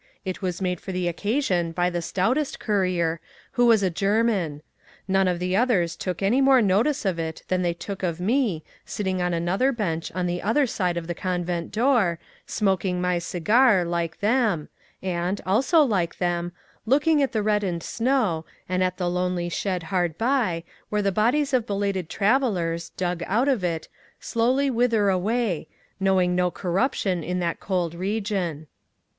It was made for the occasion by the stoutest courier, who was a German. None of the others took any more notice of it than they took of me, sitting on another bench on the other side of the convent door, smoking my cigar, like them, and—also like them—looking at the reddened snow, and at the lonely shed hard by, where the bodies of belated travellers, dug out of it, slowly wither away, knowing no corruption in that cold region.